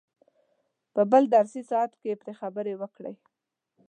په بل درسي ساعت کې پرې خبرې وکړئ.